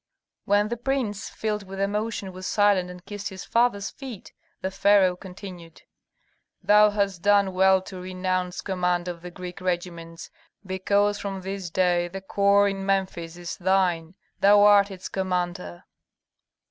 When the prince, filled with emotion, was silent and kissed his father's feet, the pharaoh continued, "Thou hast done well to renounce command of the Greek regiments, because from this day the corps in Memphis is thine, thou art its commander."